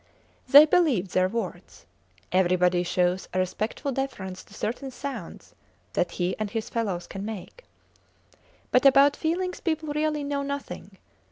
They believed their words. Everybody shows a respectful deference to certain sounds that he and his fellows can make. But about feelings people really know nothing.